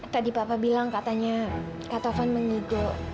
tadi papa bilang katanya kak tovan mengigo